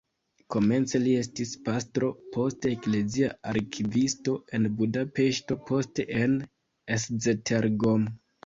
Komence li estis pastro, poste eklezia arkivisto en Budapeŝto, poste en Esztergom.